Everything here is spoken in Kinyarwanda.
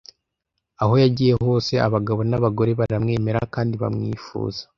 Aho yagiye hose abagabo n'abagore baramwemera kandi bamwifuza,